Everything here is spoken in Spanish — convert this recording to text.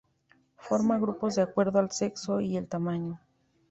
Forma grupos de acuerdo al sexo y el tamaño.